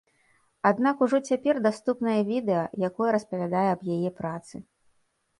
Аднак ужо цяпер даступнае відэа, якое распавядае аб яе працы.